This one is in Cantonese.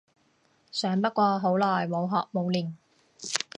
想不過好耐冇學冇練